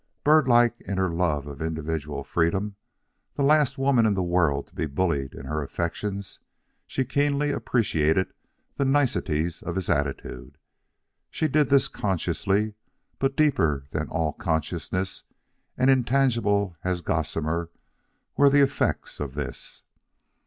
Bird like in her love of individual freedom, the last woman in the world to be bullied in her affections, she keenly appreciated the niceness of his attitude. She did this consciously, but deeper than all consciousness, and intangible as gossamer, were the effects of this.